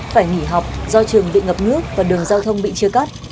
phải nghỉ học do trường bị ngập nước và đường giao thông bị chia cắt